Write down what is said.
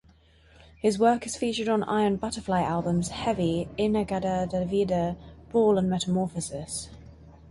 His work is featured on Iron Butterfly albums "Heavy", "In-A-Gadda-Da-Vida", "Ball" and "Metamorphosis".